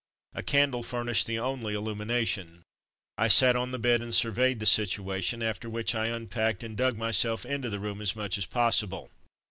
A candle furnished the only illumination. I sat on the bed and surveyed the situation, after which I unpacked and dug myself into the room as much as pos sible.